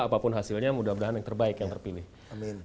apapun hasilnya mudah mudahan yang terbaik yang terpilih